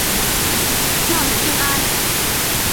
朗屈艾。